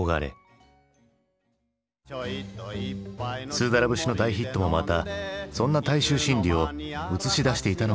「スーダラ節」の大ヒットもまたそんな大衆心理を映し出していたのかもしれない。